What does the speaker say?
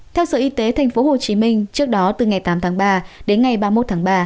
theo sở y tế tp hcm trước đó từ ngày tám tháng ba đến ngày ba mươi một tháng ba